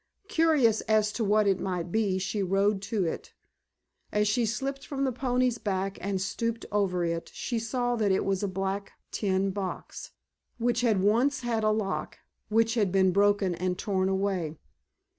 Curious as to what it might be she rode to it. As she slipped from the pony's back and stooped over it she saw that it was a black tin box, which had once had a lock, which had been broken and torn away.